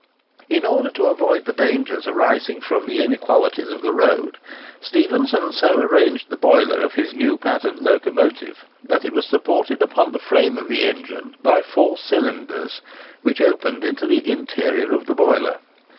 In order to avoid the dangers arising from the inequalities of the road, Stephenson so arranged the boiler of his new patent locomotive that it was supported upon the frame of the engine by four cylinders, which opened into the interior of the boiler.